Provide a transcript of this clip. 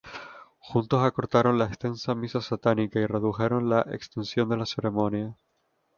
Juntos acortaron la extensa misa satánica y redujeron la extensión de la ceremonia.